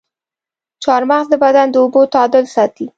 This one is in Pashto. چارمغز د بدن د اوبو تعادل ساتي.